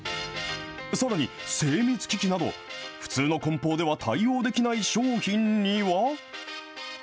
さらに、精密機器など、普通のこん包では対応できない商品には。